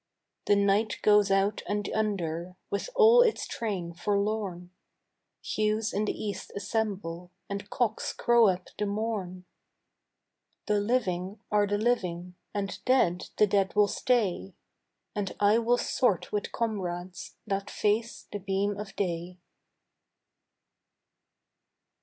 The night goes out and under With all its train forlorn; Hues in the east assemble And cocks crow up the morn. The living are the living And dead the dead will stay, And I will sort with comrades That face the beam of day.